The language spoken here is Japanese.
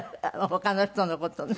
他の人の事ね。